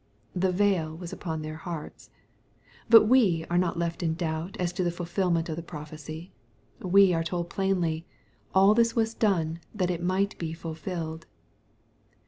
The veil was upon their hearts. Bat we are not left in doubt as to the fulfilment of the pro phecy. We are told plainly, " all this was done that it might be fulfilled."